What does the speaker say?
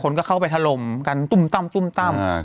คนก็เข้าไปถล่มกันตุ้มตั้มตุ้มตั้ม